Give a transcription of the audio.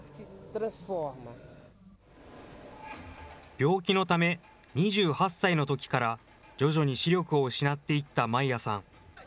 病気のため、２８歳のときから徐々に視力を失っていったマイアさん。